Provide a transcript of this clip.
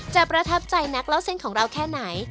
ประทับใจนักเล่าเส้นของเราแค่ไหน